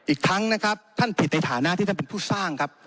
อีกทั้งนะครับท่านผิดในฐานะที่ท่านเป็นผู้สร้างครับ